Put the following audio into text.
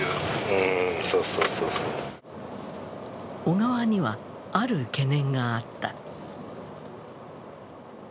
小川には、ある懸念があった。